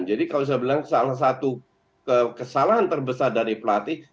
jadi kalau saya bilang salah satu kesalahan terbesar dari pelatih